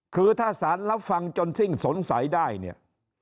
คือถ้าสารรับฟังจนสิ้นสงสัยได้เนี่ย